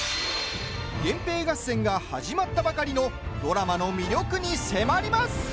源平合戦が始まったばかりのドラマの魅力に迫ります。